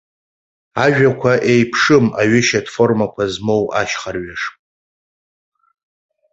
Ажәақәа еиԥшым аҩышьатә формақәа змоу ашьхарҩаш.